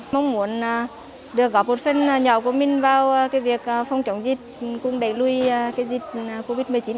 mong muốn được góp một phần nhỏ của mình vào việc phòng chống dịch cùng đẩy lùi dịch covid một mươi chín